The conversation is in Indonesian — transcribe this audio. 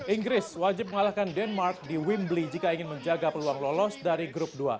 inggris wajib mengalahkan denmark di wimbley jika ingin menjaga peluang lolos dari grup dua